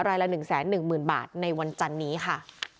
รายละ๑๑๐๐๐บาทในวันจันนี้ค่ะ